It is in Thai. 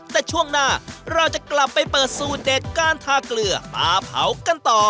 แต่ช่วงหน้าเราจะกลับไปเปิดสูตรเด็ดการทาเกลือปลาเผากันต่อ